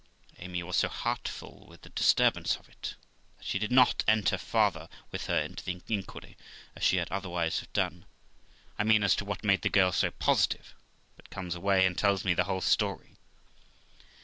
Amy was so heart full with the disturbance of it, that she did not enter farther with her into the inquiry, as she would otherwise have done ; I mean, as to what made the girl so positive; but comes away, and tells me the whole story.